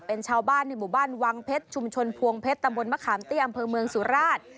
เป็นชาวบ้านในหมู่บ้านวังเพชรชุมชนพวงเพชรตำบลมะขามเตี้ยอำเภอเมืองสุราช